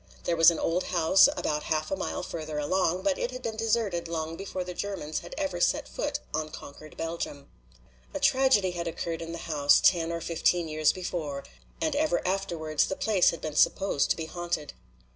There was an old house about half a mile farther along, but it had been deserted long before the Germans had ever set foot on conquered Belgium. A tragedy had occurred in the house ten or fifteen years before, and ever afterwards the place had been supposed to be haunted.